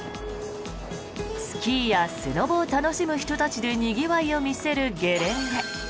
スキーやスノボを楽しむ人たちでにぎわいを見せるゲレンデ。